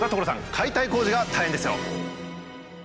解体工事が大変ですよ。